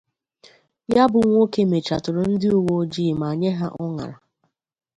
ya bụ nwoke mèchatụụrụ ndị uwe ojii ma nye ha ụñàrà